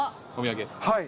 はい。